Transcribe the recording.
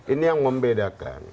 ini yang membedakan